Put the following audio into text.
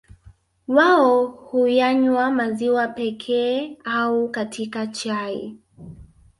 Wao huyanywa maziwa pekee au katika chai